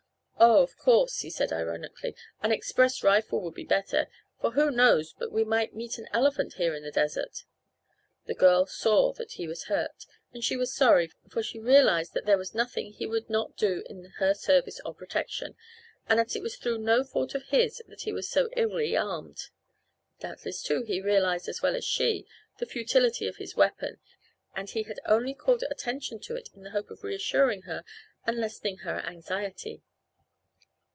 "Oh, of course," he said ironically, "an express rifle would be better, for who knows but we might meet an elephant here in the desert." The girl saw that he was hurt, and she was sorry, for she realized that there was nothing he would not do in her service or protection, and that it was through no fault of his that he was so illy armed. Doubtless, too, he realized as well as she the futility of his weapon, and that he had only called attention to it in the hope of reassuring her and lessening her anxiety.